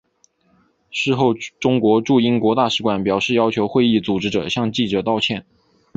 事后中国驻英国大使馆表示要求会议组织者向记者道歉。